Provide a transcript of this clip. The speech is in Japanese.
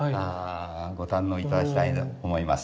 ご堪能いただきたいと思います。